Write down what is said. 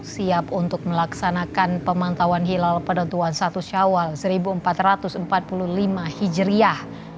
siap untuk melaksanakan pemantauan hilal penentuan satu syawal seribu empat ratus empat puluh lima hijriah